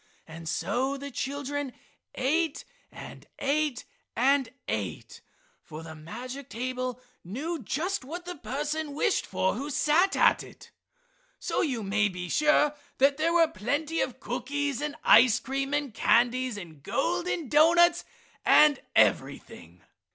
And so the children ate and ate and ate, for the magic table knew just what the person wished for who sat at it. So you may be sure there were plenty of cookies and ice cream and candies and golden doughnuts and everything.